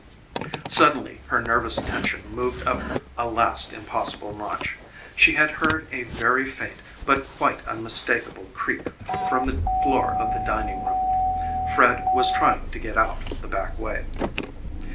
Suddenly her nervous tension moved up a last impossible notch. She had heard a very faint but quite unmistakable creak from the floor of the dining room. Fred was trying to get out the back way.